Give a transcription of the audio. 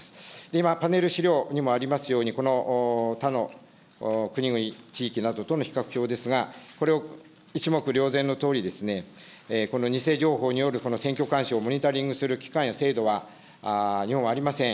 今、パネル資料にもありますように、この他の国々、地域などとの比較表ですが、これを一目瞭然のとおり、この偽情報による選挙干渉をモニタリングする機関や制度は日本はありません。